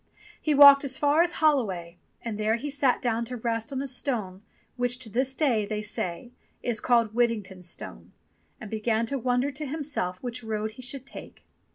He walked as far as Holloway, and there he sat down to rest on a stone, which to this day, they say, is called "Whitting ton's Stone," and began to wonder to himself which road he should take.